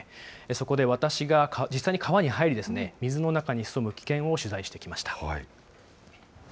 そこで私が実際に川に入り、水の中に潜む危険を取材してきました。